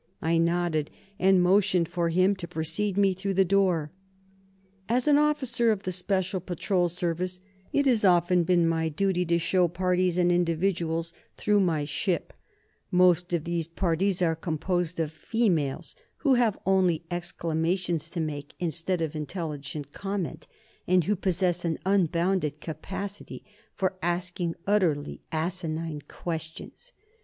I nodded, and motioned for him to precede me through the door. As an officer of the Special Patrol Service, it has often been my duty to show parties and individuals through my ship. Most of these parties are composed of females, who have only exclamations to make instead of intelligent comment, and who possess an unbounded capacity for asking utterly asinine questions.